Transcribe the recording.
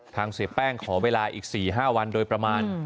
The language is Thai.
เสียแป้งขอเวลาอีก๔๕วันโดยประมาณ